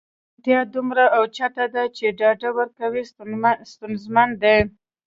چوپتیا دومره اوچته ده چې ډاډ ورکول ستونزمن دي.